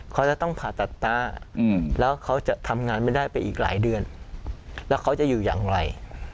เขาจะต้องผ่าตัดตาแล้วเขาจะทำงานไม่ได้ไปอีกหลายเดือนแล้วเขาจะอยู่อย่างไร